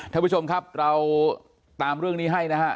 ท่านผู้ชมครับเราตามเรื่องนี้ให้นะฮะ